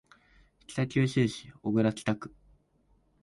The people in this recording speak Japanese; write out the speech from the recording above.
北九州市小倉北区